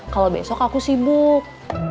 kalau besok aku sibuk